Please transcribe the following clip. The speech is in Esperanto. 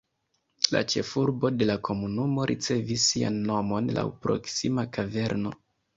La ĉefurbo de la komunumo ricevis sian nomon laŭ proksima kaverno.